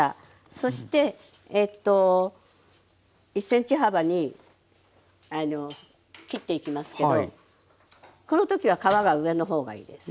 そして１ｃｍ幅に切っていきますけどこの時は皮は上の方がいいです。